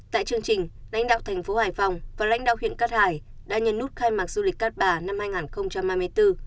tại chương trình lãnh đạo thành phố hải phòng và lãnh đạo huyện cát hải đã nhấn nút khai mạc du lịch cát bà năm hai nghìn hai mươi bốn